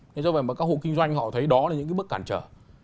thế do vậy mà các hộ kinh doanh họ thấy đó là những cái bức cản trở